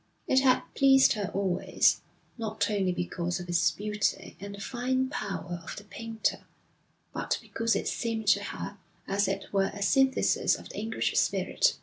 It had pleased her always, not only because of its beauty and the fine power of the painter, but because it seemed to her as it were a synthesis of the English spirit.